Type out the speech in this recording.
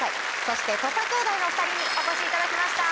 そして土佐兄弟のお２人にお越しいただきました。